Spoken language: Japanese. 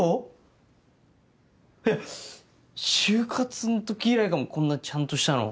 えっ就活ん時以来かもこんなちゃんとしたの。